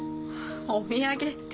お土産って。